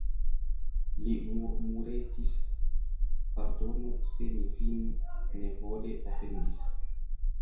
Li murmuretis: pardonu, se mi vin nevole ofendis.